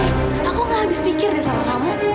eh rizky aku gak habis pikir deh sama kamu